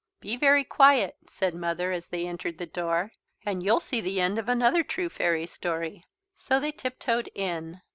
"Be very quiet," said Mother as they entered the door, "and you'll see the end of another true fairy story." So they tiptoed in.